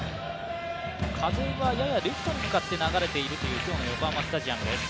風はややレフトに向かって流れている今日の横浜スタジアムです。